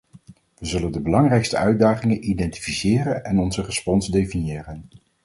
We zullen de belangrijkste uitdagingen identificeren en onze respons definiëren.